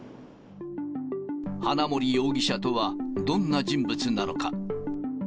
花森容疑者とはどんな人物なのか。